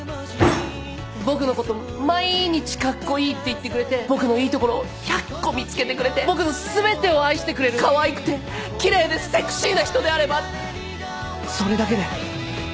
僕の事毎日かっこいいって言ってくれて僕のいいところを１００個見つけてくれて僕の全てを愛してくれるかわいくてきれいでセクシーな人であればそれだけで。